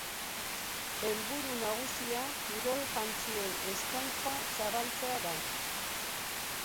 Helburu nagusia kirol-jantzien eskaintza zabaltzea da.